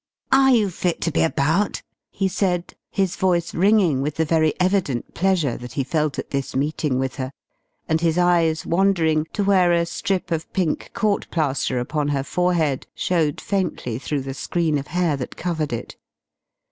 "Are you fit to be about?" he said, his voice ringing with the very evident pleasure that he felt at this meeting with her, and his eyes wandering to where a strip of pink court plaster upon her forehead showed faintly through the screen of hair that covered it.